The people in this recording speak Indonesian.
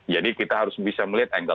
jadi kita harus bisa melihat angle